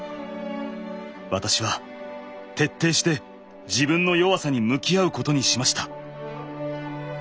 私は徹底して自分の弱さに向き合うことにしました。